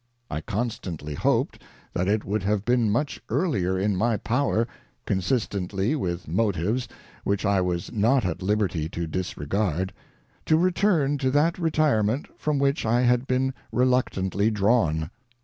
ŌĆö I constantly hoped, that it would have been much earlier in my power, consistently with motives, which I was not at liberty to disregard, to return to that re tirement, from which I had been reluctantly drawn.